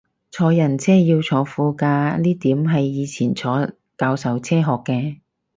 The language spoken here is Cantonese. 坐人車要坐副駕呢點係以前坐教授車學嘅